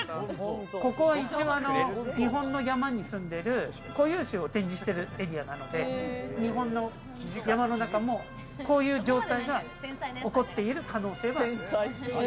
ここは日本の山に住んでる固有種を展示しているエリアなので、日本の山の中も、こういう状態が起こっている可能性はあります。